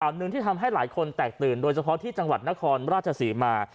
หนึ่งที่ทำให้หลายคนแตกตื่นโดยเฉพาะที่จังหวัดนครราชศรีมา